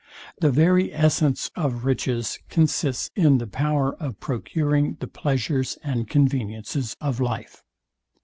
The very essence of riches consists in the power of procuring the pleasures and conveniences of life.